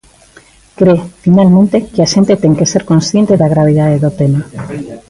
Cre, finalmente, que a xente ten que ser consciente da gravidade do tema.